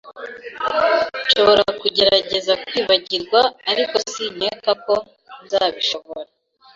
Nshobora kugerageza kwibagirwa, ariko sinkeka ko nzabishobora